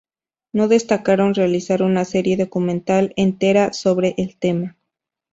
No descartaron realizar una serie documental entera sobre el tema.